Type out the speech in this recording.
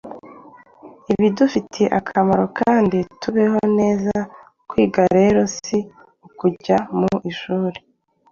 ibidufitiye akamaro kandi tubeho neza. Kwiga rero si ukujya mu ishuri